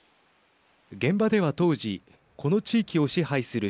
現場では当時この地域を支配する